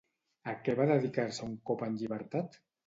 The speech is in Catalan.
A què va dedicar-se un cop en llibertat?